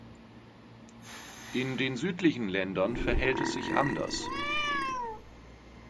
In den südlichen Ländern verhält es sich anders.